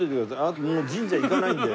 もう神社行かないんで。